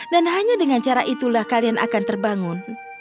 dan hanya dengan cara itulah kalian akan terbangun